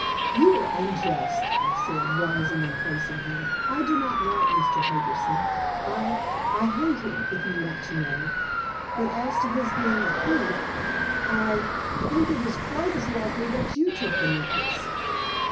"You are unjust!" I said, rising and facing him. "I do not like Mr. Harbison I I hate him, if you want to know. But as to his being a thief, I think it is quite as likely that you took the necklace."